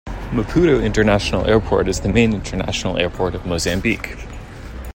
Maputo International Airport is the main international airport of Mozambique.